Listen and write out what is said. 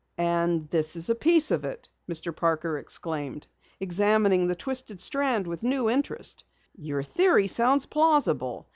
"And this is a piece of it!" Mr. Parker exclaimed, examining the twisted strand with new interest. "Your theory sounds plausible.